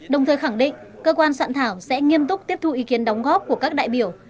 đồng thời khẳng định cơ quan soạn thảo sẽ nghiêm túc tiếp thu ý kiến đóng góp của các đại biểu